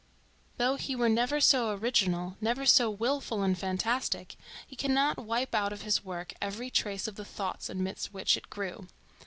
Though he were never so original, never so wilful and fantastic, he cannot wipe out of his work every trace of the thoughts amidst which it grew.